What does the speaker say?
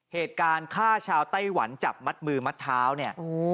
เหตุการณ์ฆ่าชาวไต้หวันจับมัดมือมัดเท้าเนี่ย